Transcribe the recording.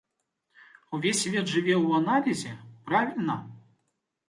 Увесь свет жыве ў аналізе, правільна?